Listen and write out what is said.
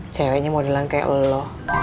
ceweknya modelan kayak elo